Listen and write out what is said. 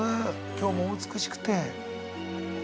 今日もお美しくて。